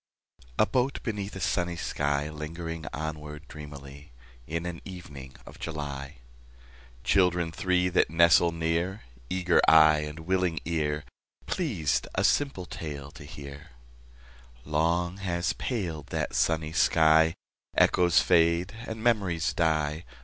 A boat beneath a sunny sky, Lingering onward dreamily In an evening of July— Children three that nestle near, Eager eye and willing ear, Pleased a simple tale to hear— Long has paled that sunny sky: Echoes fade and memories die.